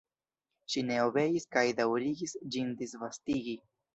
Ŝi ne obeis kaj daŭrigis ĝin disvastigi.